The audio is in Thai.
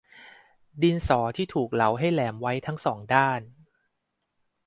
ดินสอที่ถูกเหลาให้แหลมไว้ทั้งสองด้าน